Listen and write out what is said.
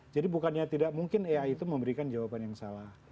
jadi bukannya tidak mungkin ai itu memberikan jawaban yang salah